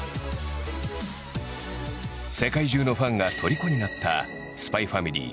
世界中のファンがとりこになった「ＳＰＹ×ＦＡＭＩＬＹ」